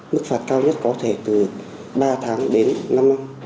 mức phạt cao nhất có thể từ ba tháng đến năm năm